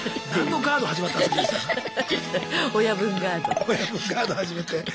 だから親分ガード始めて。